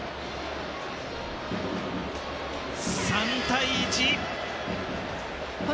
３対１。